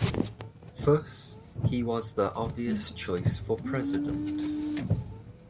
Thus, he was the obvious choice for President.